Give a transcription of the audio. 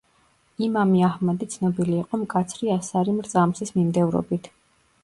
იმამი აჰმადი ცნობილი იყო მკაცრი ასარი მრწამსის მიმდევრობით.